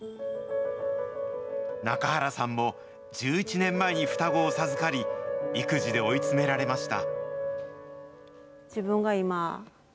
中原さんも、１１年前に双子を授かり、育児で追い詰められました。